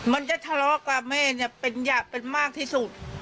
มันจะทะเลาะกับแม่เนี่ยเป็นหยาบเป็นมากที่สุด